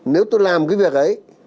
nếu tôi làm cái việc ấy